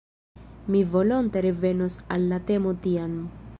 Mi volonte revenos al la temo tiam.